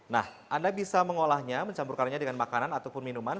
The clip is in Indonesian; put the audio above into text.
nah anda bisa mengolahnya mencampurkannya dengan makanan ataupun minuman